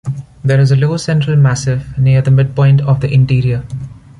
There is a low central massif near the midpoint of the interior.